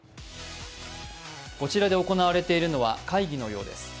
こちらで行われているのは会議のようです。